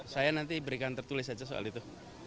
saya nanti berikan tertulis saja soal itu